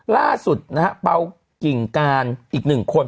ล่าสุดนะฮะเปล่ากิ่งการอีกหนึ่งคน